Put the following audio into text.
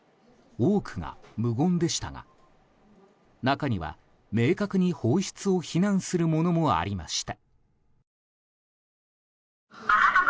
多くが無言でしたが中には明確に放出を非難するものもありました。